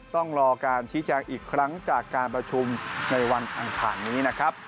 ต้องรอการชี้แจงอีกครั้งจากการประชุมในวันอ่านนี้